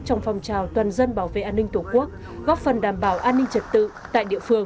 trong phòng trào toàn dân bảo vệ an ninh tổ quốc góp phần đảm bảo an ninh trật tự tại địa phương